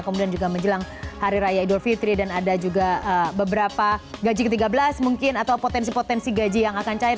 kemudian juga menjelang hari raya idul fitri dan ada juga beberapa gaji ke tiga belas mungkin atau potensi potensi gaji yang akan cair